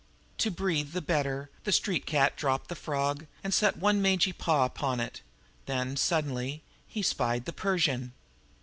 To breathe the better, the street cat dropped his frog and set one mangy paw upon it; then, suddenly, he spied the Persian.